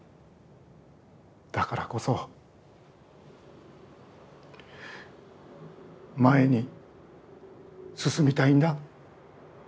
だからこそ前に進みたいんだ。